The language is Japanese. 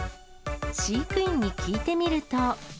飼育員に聞いてみると。